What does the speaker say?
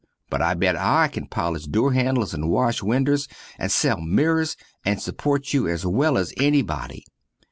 But I bet I can polish dore handels and wash winders and sell Mirrors and suport you as well as enny Body.